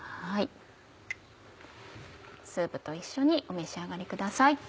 スープと一緒にお召し上がりください。